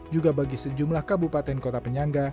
juga bagi sejumlah kabupaten kota penyangga